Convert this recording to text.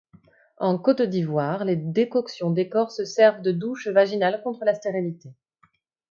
En Côte d’Ivoire, les décoctions d’écorce servent de douche vaginale contre la stérilité.